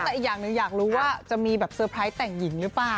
แต่อีกอย่างหนึ่งอยากรู้ว่าจะมีแบบเซอร์ไพรส์แต่งหญิงหรือเปล่า